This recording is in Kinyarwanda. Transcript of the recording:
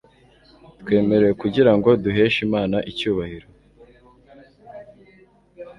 Twaremewe kugira ngo duheshe Imana icyubahiro